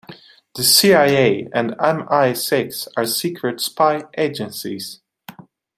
The CIA and MI-Six are secret spy agencies.